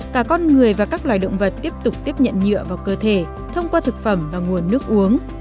cả con người và các loài động vật tiếp tục tiếp nhận nhựa vào cơ thể thông qua thực phẩm và nguồn nước uống